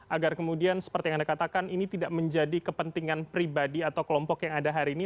agar kemudian seperti yang anda katakan ini tidak menjadi kepentingan pribadi atau kelompok yang ada hari ini